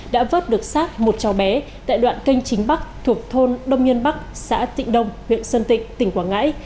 đã vớt được sát một cháu bé tại đoạn canh chính bắc thuộc thôn đông nhân bắc xã tịnh đông huyện sơn tịnh tỉnh quảng ngãi